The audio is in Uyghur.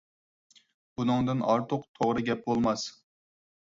بۇنىڭدىن ئارتۇق توغرا گەپ بولماس.